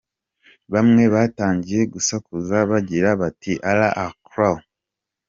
Bamwe batangiye gusakuza bagira bati‘’Allah Akbar”.